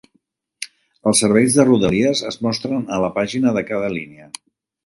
Els serveis de rodalies es mostren a la pàgina de cada línia.